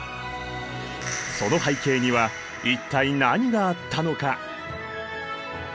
その背景にはいったい何があったのか！